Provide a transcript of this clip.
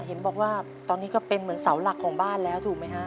เห็นบอกว่าตอนนี้ก็เป็นเหมือนเสาหลักของบ้านแล้วถูกไหมฮะ